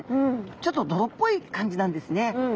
ちょっと泥っぽい感じなんですね。